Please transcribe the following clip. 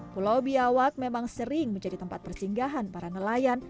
pulau biawak memang sering menjadi tempat persinggahan para nelayan